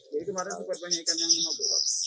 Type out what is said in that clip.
jadi kemarin sukat banyak ikan yang mau beruang